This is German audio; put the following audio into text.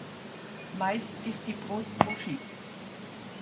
Meist ist die Brust buschig.